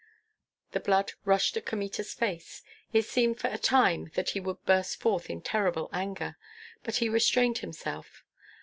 The blood rushed to Kmita's face; it seemed for a time that he would burst forth in terrible anger, but he restrained himself.